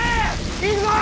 行くぞ！